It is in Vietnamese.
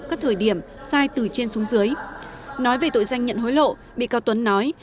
các thời điểm sai từ trên xuống dưới nói về tội danh nhận hối lộ bị cáo tuấn nói